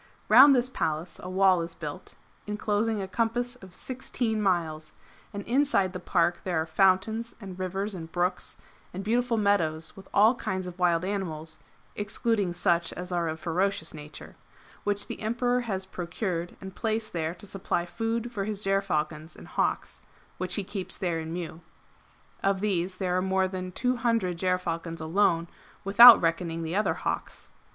'•^ Round this Palace a wall is built, inclosing a compass Chap. LXI. THE CITY AND PALACE OF CIIANDU 299 of 16 miles, and inside the Park there are fountains and rivers and brooks, and beautiful meadows, with all kinds of wild animals (excluding such as are of ferocious nature), which the Emperor has procured and placed there to supply food for his gerfalcons and hawks, which he keeps there in mew. Of these there are more than 200 gerfalcons alone, without reckoning the o:her hawks.